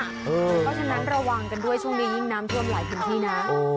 เพราะฉะนั้นระวังกันด้วยช่วงนี้ยิ่งน้ำท่วมหลายพื้นที่นะ